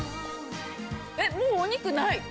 もうお肉ない。